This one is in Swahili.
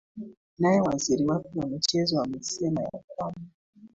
nae waziri wake wa michezo amesema ya kwamba